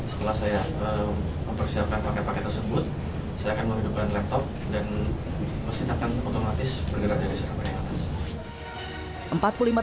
setelah saya mempersiapkan paket paket tersebut saya akan menghidupkan laptop dan mesin akan otomatis bergerak dari serangan atas